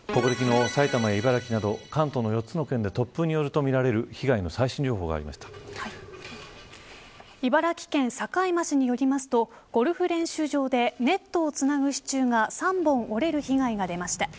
ここで昨日、埼玉や茨城など関東の４つの県で突風とみられる茨城県境町によりますとゴルフ練習場でネットをつなぐ支柱が３本折れる被害が出ました。